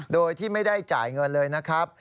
โดยที่ไม่ได้จ่ายเงินเลยนะครับ